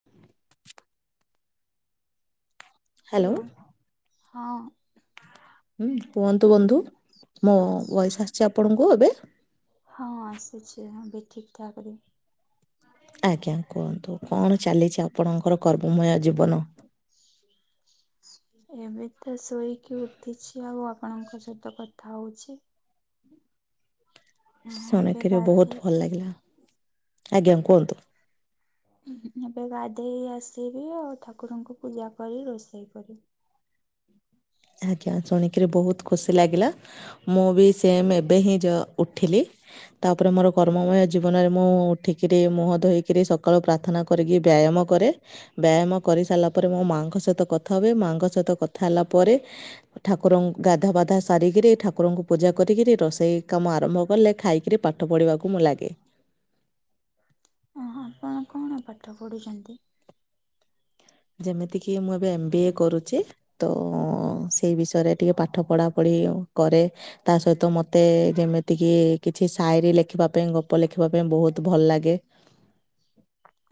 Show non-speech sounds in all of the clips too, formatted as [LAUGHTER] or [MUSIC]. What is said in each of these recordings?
[INAUDIBLE] Hello hello, ହଁ। ହୁଁ କୁହନ୍ତୁ ବନ୍ଧୁ, ମୋ ବୟସ ଆସିଛି ଆପଣଙ୍କୁ ଏବେ- ହଁ ଆସୁଛି ଏବେ ଠିକ୍ ଠାକ ରେ ଆଜ୍ଞା କୁହନ୍ତୁ? କଣ ଚାଲିଛି ଆପଣଙ୍କର କର୍ମମୟ ଜୀବନ ଏବେ ତ ଶୋଇକି ଉଠିଛି ଆଉ, ଆପଣଙ୍କ ସହିତ କଥା ହଉଛି ହଁ ଏବେ ଶୁଣକ ଗାଧେଇ ବହୁତ ଭଲ ଲାଗିଲା, ଆଜ୍ଞା କୁହନ୍ତୁ ଏବେ ଗାଧେଇ ଆସିବି ଆଉ ଠାକୁରଙ୍କୁ ପୂଜା କରି ରୋଷେଇ କରିବି। ଆଜ୍ଞା, ଶୁଣିକିରି ବହୁତ ଖୁସି ଲାଗିଲା। ମୁଁ ବି ସେମ୍ ଏବେ ହିଁ ଯ ଉଠିଲି। ତାପରେ ମୋର କର୍ମମୟ ଜୀବନରେ ମୁଁ ଉଠିକିରି ମୁହ ଧୋଇକିରି ସକାଳୁ ପ୍ରା ପ୍ରାର୍ଥନା କରିକି ବ୍ୟାୟାମ କରେ, ବ୍ୟାୟାମ କରିସାରିଲା ପରେ ମୋ ମାଙ୍କ ସହିତ କଥା ହୁଏ, ମାଙ୍କ ସହିତ କଥା ହେଲା ପରେ ଠାକୁରଙ୍କୁ ଗାଧାପାଧା ସାରିକିରି ଠାକୁରଙ୍କୁ ପୂଜା କରିକିରି, ରୋଷେଇ କାମ ଆରମ୍ଭ କଲେ, ଖାଇକରି ପାଠ ପାଠ ପଢ଼ିବାକୁ ମଁ ଲାଗେ। ହଁ ଆପଣ କଣ ପାଠ ପଢ଼ୁଛନ୍ତି? ଯେମିତିକି ମୁଁ ଏବେ ଏମ୍ ବି ଏ କରୁଛି। ତ ସେଇ ବିଷୟରେ ଟିକେ ପାଠ ପଢା ପଢି କରେ। ତା ସହିତ ମୋତେ ଯେମିତିକି କିଛି ସାୟରି ଲେଖିବା ପାଇଁ, ଗପ ଲେଖିବା ପାଇଁ, ବହୁତ ଭଲ ଲାଗେ।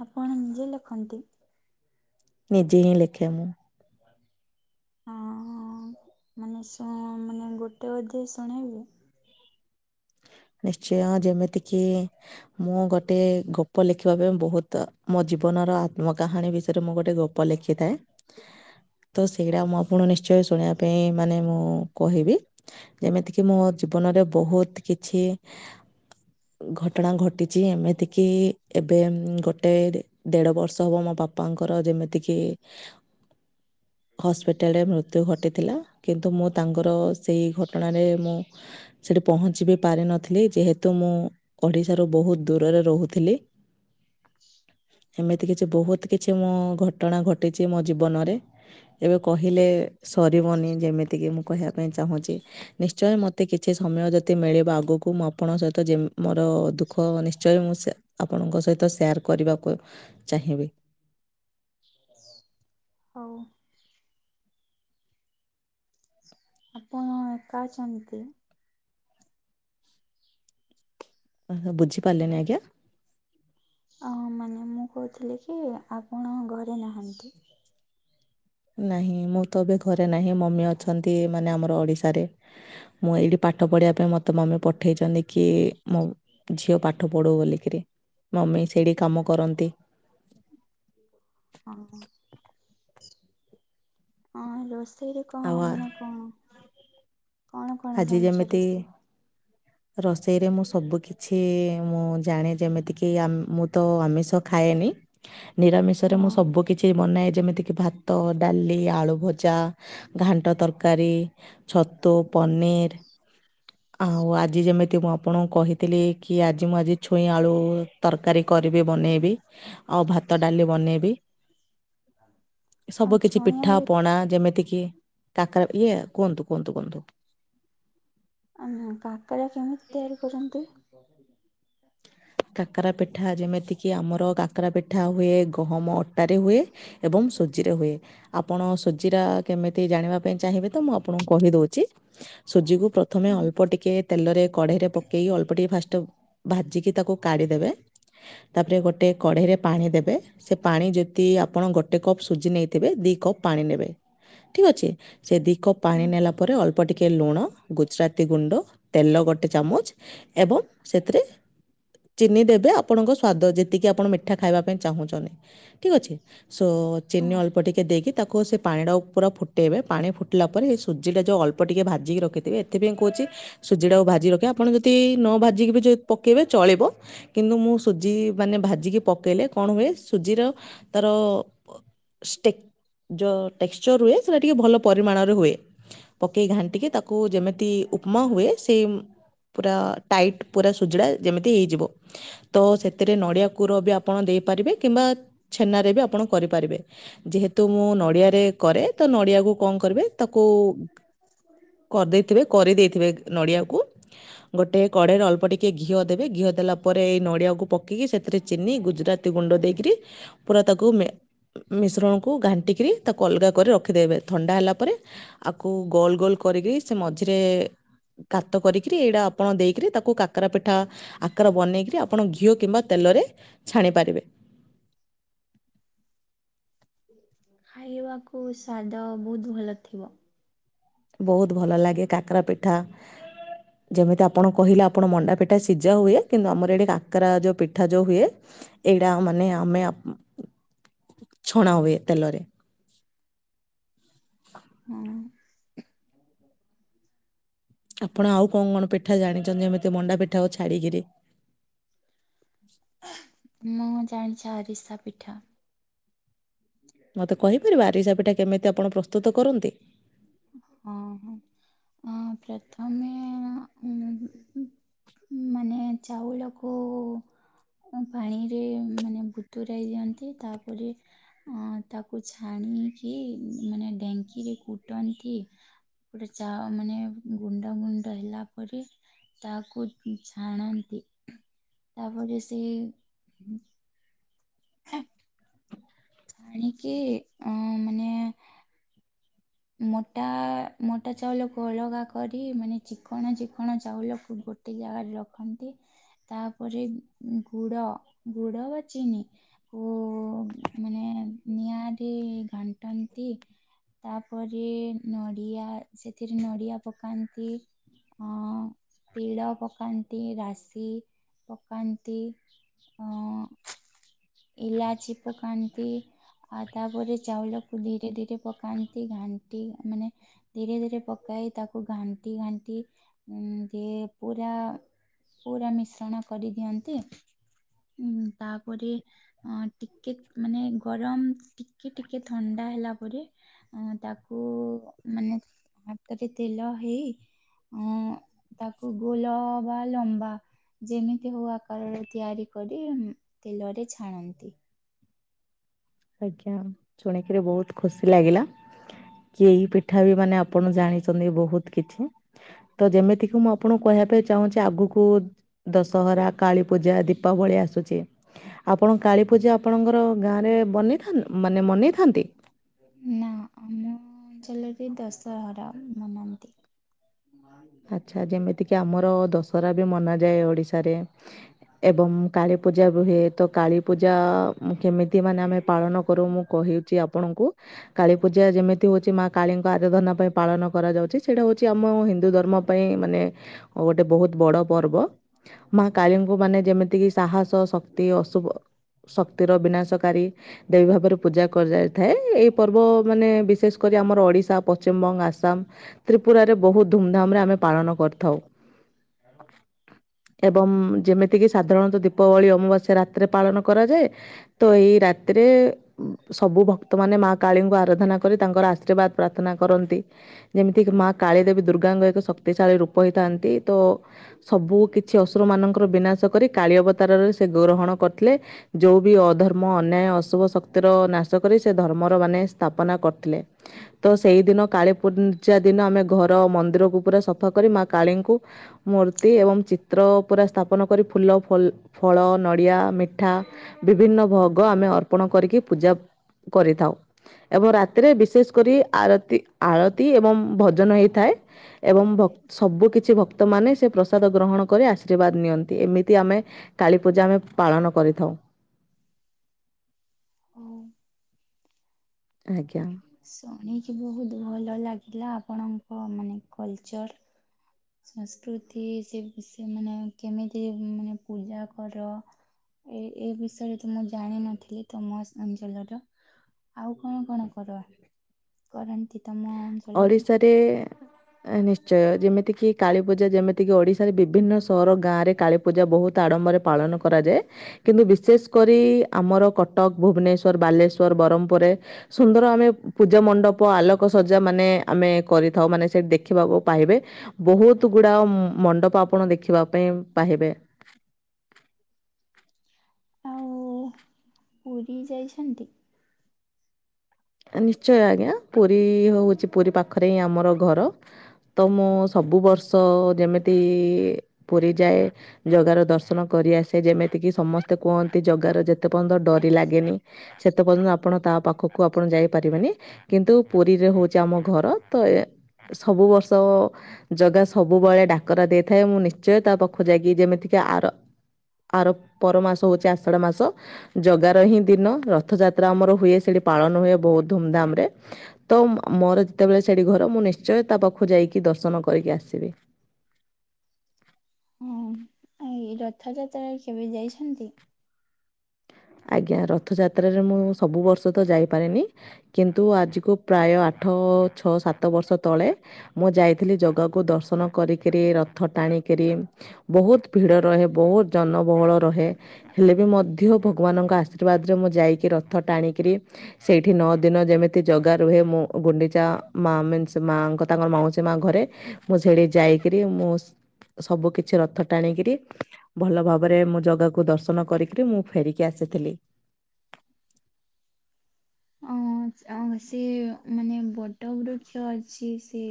ଆପଣ ନିଜେ ଲେଖନ୍ତି? ନିଜେ ହିଁ ଲେଖେ ମୁଁ। ହଁ ମାନେ ମାନେ ଗୋଟେ ଅଧେ ଶୁଣେଇବୁ। ନିଶ୍ଚୟ ଯେମିତିକି ମୁଁ ଗୋଟେ ଗପ ଲେଖିବା ପାଇଁ ବହୁତ, ମୋ ଜୀବନର ଆତ୍ମ କାହାଣୀ ବିଷୟରେ, ମୁଁ ଗୋଟେ ଗପ ଗପ ଲେଖିଥାଏ ତ, ସେଇଗୁଡ଼ା ମୋ ଆପଣ ନିଶ୍ଚୟ ଶୁଣିବା ପାଇଁ ମାନେ ମୁଁ କହିବି। ଯେମିତିକି ମୋ ଜୀବନରେ ବହୁତ କିଛି ଘଟଣା ଘଟିଛି ଏମିତି କିି ଏବେ ଗୋଟେ ଦେଢ଼ ବର୍ଷ ହେବ ମୋ ବାପାଙ୍କର ଯେମିତିକି ହସ୍ପିଟାଲ ରେ ମୃତ୍ୟୁ ଘଟିଥିଲା। କିନ୍ତୁ ମୁଁ ତା ସେ ଘଟଣାରେ ମୁଁ ସେଠି ପହଙ୍ଚିବି ପାରିନଥିଲି ଯେହେତୁ ମୁଁ ଓଡ଼ିଶାରୁ ବହୁତ ଦୂରରେ ରହୁଥିଲି। ଏମିତି କିଛି ବହୁତ କିଛି ମୁଁ ଘଟଣା ଘଟିଛି ମୋ ଜୀବନରେ। ଏବେ କହିଲେ ସରିବନି ଯେମିତିକି ମୁଁ କହିବା ପାଇଁ ଚାହୁଁଛି ନିଶ୍ଚୟ ମତେ ମୋତେ କିଛି ସମୟ ଯଦି ମିଳିବ ଆଗକୁ ମୁଁ ଆପଣଙ୍କ ସହିତ ଯେ ମୋର ଦୁଃଖ ନିଶ୍ଚୟ ମୁଁ ସେ ଆପଣଙ୍କ ସହିତ ସେୟାର କରିବାକୁ ଚାହିଁବି। ହଉ। ଆପଣ ଏକା ଅଛନ୍ତି। ବୁଝି ପାରିଲିନି ଆଜ୍ଞା। ମାନେ ମୁଁ କହୁଥିଲି କି ଆପଣ ଘରେ ନାହାନ୍ତି। ନାହିଁ ମୁଁ ତ ଏବେ ଘରେ ନାହିଁ ମମି ଅଛନ୍ତି ମାନେ ଆମର ଓଡିଶାରେ। ମୁଁ ଏଇଠି ପାଠ ପଢ଼ିବା ପାଇଁ ମତେ ମମି ପଠେଇଛନ୍ତି କି ମୋ ଝିଅ ପାଠ ପଢୁ ବୋଲିକିରି ମମି ସେଇଠି କାମ କରନ୍ତି। ହ ଅଲୋ ସେଇରେ କ ଆଉ ଆ- ମାନେ କଣ କଣ କଣ ଆଜି ଜାଣିଛ ଯେମିତି ରୋଷେଇ? ରୋଷେଇରେ ମୁଁ ସବୁ କିଛି ମୁଁ ଜାଣେ ଯେମିତି ମୁଁ ତ ଆମିଷ ଖାଏନି ନିରାମିସରେ ମୁଁ ହଁ ସବୁ ମୁଁ କିଛି ବନାଏ ଭାତଡାଲି, ଆଳୁଭଜା, ଘାଣ୍ଟ ତରକାରୀ ଛତୁ ପନିର ଆଉ ଆଜି ଯେମିତି ମୁଁ ଆପଣଙ୍କୁ କହିଥିଲି କି ଆଜି ମୁଁ ଆଜି ଛୁଇଁ ଆଳୁ ତରକାରୀ କରିବି ବନେଇବି ଆଉ ଭାତ ଡାଲି ବନେଇବି ଆଉ ସବୁ କିଛି ଛୁଇଁ ପିଠା ଆଳୁ ପଣା ଯେମିତି କିି ତାଙ୍କର ଇଏ କୁହନ୍ତୁ କୁହନ୍ତୁ କୁହନ୍ତୁ କାକରା କେମିତି ତିଆରି କରୁଛନ୍ତି? କାକରା ପିଠା ଯେମିତିକି ଆମର କାକରା ପିଠା ହୁଏ ଗହମ ଅଟାରେ ହୁଏ। ଏବଂ ସୁଜିରେ ହୁଏ। ଆପଣ ସୁଜିରା କେମିତି ଜାଣିବା ପାଇଁ ଚାହିଁବେ ତ ମୁଁ ଆପଣଙ୍କୁ କହି ଦଉଛି ସୁଜିକୁ ପ୍ରଥମେ ହଁ ଅଳ୍ପ ଟିକେ ତେଲରେ କଢେଇରେ ପକେଇକି ଅଳ୍ପ ଟିକେ ଭାଜିକି ତାକୁ କାଢ଼ିଦେବେ ତାପରେ ଗୋଟେ କଢ଼େଇରେ ପାଣି ଦେବେ ସେ ପାଣି ଯଦି ଆପଣ ଗୋଟେ କପ୍ ସୁଜି ନେଇଥିବେ ଦିଇ କପ୍ ପାଣି ନେବେ ଠିକ ଅଛି। ସେ ଦିଇ କପ୍ ପାଣି ହୁଁ ନେଲା ପରେ ଅଳ୍ପ ଟିକେ ଲୁଣ ଗୁଜୁରାତି ଗୁଣ୍ଡ ତେଲ ଗୋଟେ ଚାମଚ ଏବଂ ସେଥିରେ ଚିନି ଦେବେ ଆପଣଙ୍କ ସ୍ଵାଦ ଯେତିକି ଆପଣ ମିଠା ଖାଇବା ପାଇଁ ଚାହୁଁଛନ୍ତି। ଠିକ ଅଛି ସୋ ଚିନି ହଁ। ଅଳ୍ପ ଅଳ୍ପ ଟିକେ ଦେଇକି ତାକୁ ସେ ପାଣିଟାକୁ ପୁରା ଫୁଟେଇବେ ପାଣି ଫୁଟିଲା ପରେ ସେ ସୁଜିଟା ଯେଉଁ ଅଳ୍ପ ଟିକେ ଭାଜିକି ରଖିଥିବେ ସେଥିପାଇଁ କହୁଛି ସୁଜି ଟା ଆଉ ଭାଜି ରଖିବାେ ଆପଣ ଯଦି ନ ଭାଜିକି ବି ଯ ପକେଇବେ ଚଳିବ କିନ୍ତୁ ମୁଁ ସୁଜି ମାନେ ଭାଜିକି ପକେଇଲେ କଣ ହୁଏ ସୁଜିର ତାର ସ୍ଟେ ଯଉଁ ଟେକ୍ସଚର ହୁଏ ସେଇଟା ଟିକେ ଭଲ ପରିମାଣରେ ହୁଏ। ପକେଇ ଘାଟିଙ୍କି ତାକୁ ଯେମିତି ଉପମା ହୁଏ ସେମ୍ ପୁରା ଟାଇଟ୍ ପୁରା ଜୁଡ଼ା ଯେମିତି ହେଇଯିବ। ତ ସେଥିରେ ନଡିଆ କୁର ବି ଆପଣ ଦେଇପାରିବେ କିମ୍ବା ଛେନାରେ ବି ଆପଣ କରିପାରିବେ। ଯେହେତୁ ମୁଁ ନଡିଆରେ କରେ ତ ନଡିଆକୁ କଣ କରିବେ ତାକୁ କରିଦେଇଥିବେ କରିଦେଇଥିବେ ନଡିଆକୁ ଗୋଟେ କଡେଇରେ ଅଳ୍ପ ଟିକେ ଘିଅ ଦେବେ ଘିଅ ଦେଲା ପରେ ଏଇ ନଡ଼ିଆକୁ ପକେଇକି ସେଥିରେ ଚିନି ଗୁଜୁରାତି ଗୁଣ୍ଡ ଦେଇକରି ପୁରା ତାକୁ ମିଶ୍ରସକୁ ଘାଣ୍ଟିକିରି ତାକୁ ଅଲଗା କରି ରଖିଦେବେ ଥଣ୍ଡା ହେଲା ପରେ ଆକୁ ଗୋଲ ଗୋଲ୍ କରିକି ସେ ମଝିରେ କାତ କରିକିରି ଏଇଟା ଆପଣ ଦେଇକିରି ତାକୁ କା କାକର ପିଠା ଆକାର ବନେଇକି ଆପଣ ଘିଅ କିମ୍ବା ତେଲରେ ଛାଣିପାରିବେ। ଖାଇବାକୁ ସାଦ ବହୁତ ଭଲ ଥିବ। ବହୁତ ଭଲ ଲାଗେ କାକରା ପିଠା ହ ଯେମିତି ଆପଣ କହିଲେ ଆପଣ ମଣ୍ଡା ପିଠା ସିଝା ହୁଏ କିନ୍ତୁ ଆମର ଏଠି କାକରା ଯଉ ପିଠା ଯଉ ହୁଏ ଏଇଟା ମାନେ ଆମେ ଛଣା ହୁଏ ତେଲରେ। ହୁଁ। ଆପଣ ଆଉ କଣ କଣ ପିଠା ଜାଣିଛନ୍ତି ଏମିତି ମଣ୍ଡା ପିଠାକୁ ଛାଡିକିରି ମୁଁ ଜାଣିଛି ଆରିସା ପିଠା। ମତେ କହିପାରିବ ଆରିସାପିଠା କେମିତି ଆପଣ ପ୍ରସ୍ତୁତ କରନ୍ତି? ହଁ ହ ପ୍ରଥମେ ଆଁ ଉଁ ହୁ ମାନେ ଚାଉଳକୁ ପାଣିରେ ମାନେ ବୁତୁରାଇ ଦିଅନ୍ତି ତାପରେ ଅ ତାକୁ ଛାଣିକି ମାନେ ଢେଙ୍କିରେ କୁଟନ୍ତି। ଗୋଟେ ଚା ମାନେ ଗୁଣ୍ଡ ଗୁଣ୍ଡ ହେଲା ପରେ ତାକୁ ଛାଣନ୍ତି ତାପରେ ସେଇ ହଁ ଛାଣିକି ଅଁ ମାନେ ମୋଟା ମୋଟା ଚାଉଳକୁ ଅଲଗା କରି ମାନେ ଚିକଣ ଚିକଣ ଚାଉଳକୁ ଗୋ ଗୋଟେ ଜାଗାରେ ରଖନ୍ତି ତାପରେ ଗୁଡ ଗୁଡ ବା ଚିନି କୁ ମାନେ ନିଆଁରେ ଘାଣ୍ଟନ୍ତି। ପରେ ନଡିଆ ସେଥିରେ ନଡିଆ ପକାନ୍ତି ହଁ ତିଡ଼ ପକାନ୍ତି ରାଶି ପକାନ୍ତି। ହଁ ଅଁ। ଇଲାଚି ପକାନ୍ତି ଆ ତାପରେ ଚାଉଲକୁ ଧୀରେ ଧୀରେ ପକା ନ୍ତି ଘାଣ୍ଟି ମାନେ ଧିରେ ଧିରେ ପକାଇ ତାକୁ ଘାଣ୍ଟି ଘାଣ୍ଟି ଦିଏ ପୁରା ପୁରା ମିଶ୍ରଣ କରିଦିଅନ୍ତି ହୁଁ ତାପରେ ହଁ ଟିକେ ମାନେ ଗରମ ଟିକେ ଟିକେ ଥଣ୍ଡା ହେଲା ପରେ ଅଁ ତାକୁ ମାନେ ହାତରେ ତେଲ ହେଇ ଉଁ ତାକୁ ଗୁଲ ବା ଲମ୍ବା ଯେମିତି ହଉ ଆକାରର ତିଆରି କରି ତେଲରେ ଛାଣନ୍ତି। ଆଜ୍ଞା ଶୁଣିକିରି ବହୁତ୍ ଖୁସି ଲାଗିଲା। କି ଏହି ପିଠା ବି ମାନେ ଆପଣ ଜାଣିଚନ୍ତି ବହୁତ କିଛି ତ ଯେମିତି ମୁଁ ଆପଣଙ୍କୁ କହିବା ପାଇଁ ଚାହୁଁଚି ଆଗୁକୁ ଦଶହରା କାଳୀ ପୂଜା ଦୀପାବଳୀ ଆସୁଚି ଆପଣ କାଳୀପୂଜା ଆପଣଙ୍କର ଗାଁରେ ବନି ଥନ୍ ମାନେ ମନେଇଥାନ୍ତି। ନା ଆମ ଅଞ୍ଚଲରେ ଦଶହରା ମନାନ୍ତି। ମାଇଣ୍ଡ ଆଚ୍ଛା ଯେମିତିକି ଆମର ଦଶହରା ବି ମନାଯାଏ ଓଡ଼ିଶାରେ। ଏବଂ କାଳୀପୂଜା ରୁହେ ତ କାଳୀପୂଜା ମୁଁ କେମିତି ମାନେ ଆମେ ପାଳନ କରୁ ମୁଁ କହିଚି ଆପଣଙ୍କୁ କାଳୀ ପୂଜା ଯେମିତି ଉଛି ମା କାଳୀଙ୍କ ଆରାଧନା ପାଇଁ ପାଳନ କରାଯାଉଛଚି ସେଇଟା ହୋଉଚି ଆମ ହିନ୍ଦୁ ଧର୍ ମୋ ପାଇଁ ମାନେ ଅ ଗୋଟେ ବହୁତ୍ ବଡ ପର୍ବ ମା କାଳୀଙ୍କୁ ମାନେ ଯେମିତିକି ସାହସ ଶକ୍ତି ଅଶୁଭ ଶକ୍ତିର ବିନାଶକାରୀ ଦେଵୀ ଭାବରେ ପୂଜା କରାଯାଇଥାଏ ଏଇ ପର୍ବ ମାନେ ବିଶେଷ କରି ଆମର ଓଡ଼ିଶା ପଶ୍ଚିମବଙ୍ଗ ଆସାମ ତ୍ରିପୁରାରେ ବହୁତ ଧୁମ୍ ଧାମ୍ ରେ ଆମେ ପାଳନ କରିଥାଉ। ଏବଂ ଯେମିତିକି ସାଧାରଣତଃ ଦୀପବଳି ଅମାବାସ୍ୟା ରାତିରେ ପାଳନ କରାଯାଏ। ତ ଏହି ରାତିରେ ସବୁ ଭକ୍ତ ମାନେ ମା କାଳୀଙ୍କୁ ଆରାଧନା କରି ତାଙ୍କର ଆଶୀର୍ବାଦ ପ୍ରାର୍ଥନା କରନ୍ତି। ଯେମିତିକି ମା କାଳିଦେବୀ ଗାଙ୍ଗ ଏକ ଶକ୍ତିଶାଳୀ ରୂପ ହେଇଥାନ୍ତି ତ ସବୁ କିଛି ଅଶୁର ମାନଙ୍କର ବିନାଶ କରି କାଳି ଅବତାରରେ ସେ ଗ୍ରହଣ କରିଥିଲେ। ଯୋଉ ବି ଅଧର୍ମ ଅନ୍ୟାୟ ଅଶୁଭ ଶକ୍ତିର ନାଶ କରି ସେ ଧର୍ମର ମାନେ ସ୍ଥାପନା କରିଥିଲେ। ତ ସେଇଦିନ କାଳୀ ପୂଜା ଦିନ ଆମେ ଘର ମନ୍ଦିରକୁ ପୁରା ସଫା କରି ମା କାଳୀଙ୍କୁ ମୋରତ୍ ତି ଏବଂ ଚିତ୍ର ପୁରା ସ୍ଥାପନ କରି ଫୁଲ ଫଲ୍ ଫଳ ନଡ଼ିଆ ମିଠା ବିଭିନ୍ନ ଭୋଗ ଆମେ ଅର୍ପଣ କରିକି ପୂଜା କରିଥାଉ। ଏବଂ ରାତିରେ ବିଶେଷ କରି ଆରତି ଆଳତି ଏବଂ ଭଜନ ହେଇଥାଏ। ଏବଂ ଭ ସବୁକିଛି ଭକ୍ତମାନେ ସେ ପ୍ରସାଦ ଗ୍ରହଣ କରି ଆଶୀର୍ବାଦ ନିଅନ୍ତି। ଏମିତି ଆମେ କାଳୀ ପୂଜା ଆମେ ପାଳନ କରିଥାଉ। ହୋଉ। ଆଜ୍ଞା ଶୁଣିକି ବହୁତ ଭଲ ଲାଗିଲା ଆପଣଙ୍କ ମାନେ କଲଚର୍। ସଂସ୍କୃତି ସେ ସେ ମାନେ କେମିତି ମାନେ ପୂଜା କର। ଏ ଏ ବିଷୟରେ ତ ମୁଁ ଜାଣିନଥିଲି ତମ ସ ଅଞ୍ଚଳର। ଆଉ କଣ କଣ କର କରନ୍ତି ତମ ଅଞ୍ଚଳରେ ଓଡିଶାରେ ନିଶ୍ଚୟ ଯେମିତି କିି କାଳୀ ପୂଜା ଯେମିତି କିି ଓଡିଶାରେ ବିଭିନ୍ନ ସହର ଗାଁ ରେ କାଳୀ ପୂଜା ବହୁତ ଆଡମ୍ବରେ ପାଳନ କରାଯାଏ କିନ୍ତୁ ବିଶେଷ କରି ଆମର କଟକ, ଭୁବନେଶ୍ଵର, ବାଲେଶ୍ୱର, ବ୍ରହ୍ମପୁରରେ ସୁନ୍ଦର ଆମେ ପୂଜା ମଣ୍ଡପ ଆଲୋକସଜା ମାନେ ଆମେ କରିଥାଉ ମାନେ ସେଇଠି ଦେଖିବାକୁ ପାଇବେ। ବହୁତ ଗୁଡାଅ ମଣ୍ଡପ ଆପଣ ଦେଖିବା ପାଇଁ ପାହିବେ। ଆଉ ପୁରୀ ଯାଇଛନ୍ତି? ନିଶ୍ଚୟ ଆଜ୍ଞା ପୁରୀ ହଉଛି ପୁରୀ ପାଖରେ ହିଁ ଆମର ଘର। ତ ମୁଁ ସବୁ ବର୍ଷ ଯେମିତି ପୁରୀଯାଏ ଜଗାର ଦର୍ଶନ କରିଆସେ ଯେମିତି କିି ସମସ୍ତେ କୁହନ୍ତି ଜଗାର ଯେତେ ପର୍ଯ୍ୟନ୍ତ ଡରି ଲାଗେନି ସେତେ ପର୍ଯ୍ୟନ୍ତ ଆପଣ ତା ପାଖକୁ ଆ ଆପଣ ଯାଇପାରିବେନି କିନ୍ତୁ ପୁରୀରେ ହଉଛି ଆମ ଘର ତ ଏ ସବୁ ବର୍ଷ ଜଗା ସବୁବଳେ ଡାକରା ଦେଇଥାଏ ମୁଁ ନିଶ୍ଚୟ ତା ପାଖକୁ ଯାଇକି ଯେମିତିକି ଆର ଆର ପରମାସ ହୋଉଛି ଆଷାଢ଼ ମାସ। ଜଗାର ହିଁ ଦିନ ରଥ ଯାତ୍ରା ଆମର ହୁଏ ସେଠି ପାଳନ ହୁଏ ବହୁ ଧୁମଧାମ ରେ। ତ ମୋର ଯେତେବେଳେ ସେଇଠି ଘର ମୁଁ ନିଶ୍ଚୟ ତା ପାଖକୁ ଯାଇକି ଦର୍ଶନ କରିକି ଆସିବି। ହଁ ଏଇ ରଥଯାତ୍ରା କେବେ ଯାଇଛନ୍ତି? ଆଜ୍ଞା ରଥଯାତ୍ରାରେ ମୁଁ ସବୁ ବର୍ଷ ତ ଯାଇପାରେନି। କିନ୍ତୁ ଆଜିକୁ ପ୍ରାୟ ଆଠ ଛଅ ସାତ ବର୍ଷ ତଳେ ମୁଁ ଯାଇଥିଲି ଜଗାକୁ ଦର୍ଶନ କରିକିରି ରଥ ଟାଣିକିରି ବହୁତ ଭିଡ଼ ରହେ ବହୁତ ଜନବହୁଳ ରହେ ହେଲେ ବି ମଧ୍ୟ ଭଗବାନଙ୍କ ଆଶୀର୍ବାଦରେ ମୁଁ ଯାଇକି ରଥ ଟାଣିକିରି ସେଇଠି ନଅ ଦିନ ଯେମିତି ଜଗା ରୁହେ ମୁଁ ଗୁଣ୍ଡିଚା ମା ମୀନସ ମାଙ୍କ ତାଙ୍କର ମାଉସୀ ମା ଘରେ। ମୁଁ ସେଠିକି ଯାଇକିରି ମୁଁ ସବୁ କିଛି ରଥ ଟାଣିକିରି ଭଲ ଭାବରେ ମୋ ଜାଗାକୁ ଦର୍ଶନ କରିକିରି ମୁଁ ଫେରି କି ଆସିଥିଲି। ଅ ଅ ସେ ମାନେ ବଡ଼ ବୃକ୍ଷ ଅଛି ସେ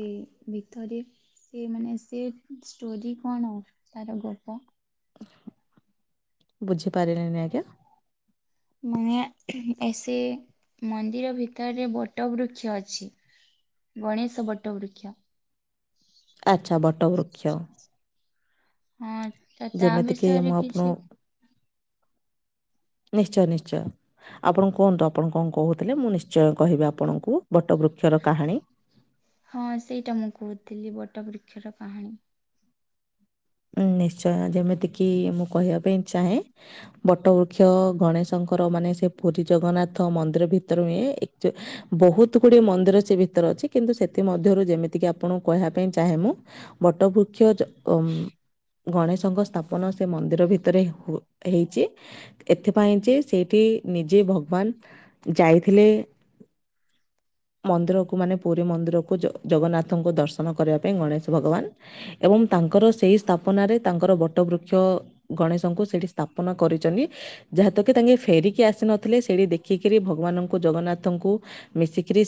ଭିତରେ। ସେ ମାନେ ସେ ଷ୍ଟୋରି କଣ ତାର ଗପ? ବୁଝିପାରିଲେନି ଆଜ୍ଞା। ମାନେ ଏସ ମନ୍ଦିର ଭିତରେ ବଟ ବୃକ୍ଷ ଅଛି। ଗଣେଶ ବଟ ବୃକ୍ଷ। ଆଚ୍ଛା ବଟ ବୃକ୍ଷ। ହଁ ତ ତା ଯେମିତିକି ମୁଁ ବିଷୟରେ ଆପଣଙ୍କୁ କିଛି ନିଶ୍ଚୟ ନିଶ୍ଚୟ। ଆପଣ କୁହନ୍ତୁ ଆପଣ କଁ କହୁଥିଲେ ମୁଁ ନିଶ୍ଚୟ କହିବି ଆପଣଙ୍କୁ ବଟ ବୃକ୍ଷର କାହାଣୀ। ହଁ ସେଇଟା ମୁଁ କହୁଥିଲି ବଟ ବୃକ୍ଷର କାହାଣୀ। ନିଶ୍ଚୟଁ ଯେମିତିକି ମୁଁ କହିବା ପାଇଁ ଚାହେଁ ବଟ ବୃକ୍ଷ ଗଣେଶଙ୍କର ମାନେ ସେ ପୁରୀ ଜଗନ୍ନାଥ ମନ୍ଦିର ଭିତରୁ ଏଁ ଏକ୍ ଜ ବୋହୁତ ଗୁଡିଏ ମନ୍ଦିର ସେ ଭିତରେ ଅଛି କିନ୍ତୁ ସେଥିମଧ୍ୟରୁ ଯେମିତିକି ଆପଣଙ୍କୁ କହିବା ପାଇଁ ଚାହେଁ ମୁଁ ବଟ ବୃକ୍ଷ ଜ ଓ ଉଁ ଗଣେଶଙ୍କ ସ୍ତାପନ ସେ ମନ୍ଦିର ଭିତରେ ହୋ ହେଇଚି। ଏଥିପାଇଁ ଯେ ସେଇଠି ନିଜେ ଭଗବାନ୍ ଯାଇଥିଲେ ମନ୍ଦିରକୁ ମାନେ ପୁରୀ ମନ୍ଦିରକୁ ଜ ଜଗନ୍ନାଥଙ୍କୁ ଦର୍ଶନ କରିବା ପେଇଁ ଗଣେଶ ଭଗବାନ୍ ଏବଂ ତାଙ୍କର ସେଇ ସ୍ ସ୍ତାପନାରେ ତାଙ୍କର ବଟ ବୃକ୍ଷ ଗଣେଶଙ୍କୁ ସେଇଠି ସ୍ତାପନା କରିଚନି। ଯାହାତୁକେ ତାଙ୍କେ ଫେରିକି ଆସି ନଥିଲେ ସେଇଠି ଦେଖିକିରି ଭଗବାନଙ୍କୁ ଜଗନ୍ନାଥଙ୍କୁ ମିଶିକିରି